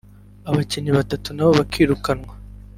abakinnyi batatu na bo bakirukanwa